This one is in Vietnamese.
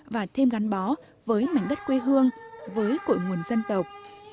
và thêm gắn bó với mảnh đất quê hương với cội nguồn dân tộc